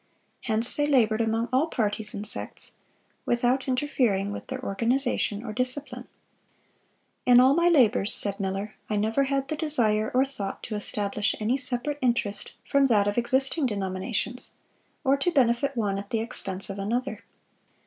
Hence they labored among all parties and sects, without interfering with their organization or discipline."(618) "In all my labors," said Miller, "I never had the desire or thought to establish any separate interest from that of existing denominations, or to benefit one at the expense of another.